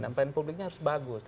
dan plan publiknya harus bagus